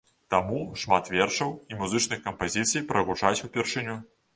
Таму шмат вершаў і музычных кампазіцый прагучаць упершыню.